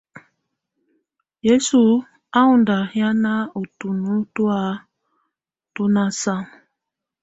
Yǝsus á ɔ́ŋ ndahiana ú tuno ú tɔ̀á tu ná saa.